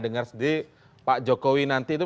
dengar sendiri pak jokowi nanti itu